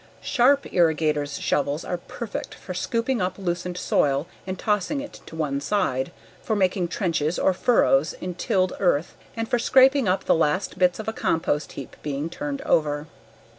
Sharp irrigator's shovels are perfect for scooping up loosened soil and tossing it to one side, for making trenches or furrows in tilled earth and for scraping up the last bits of a compost heap being turned over.